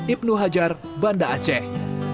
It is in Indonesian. ibnu hajar banda aceh